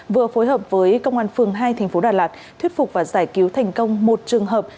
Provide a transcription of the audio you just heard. vừa phối hợp với công an phường hai thành phố đà lạt thuyết phục và giải cứu thành công một trường hợp